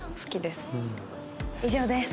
以上です。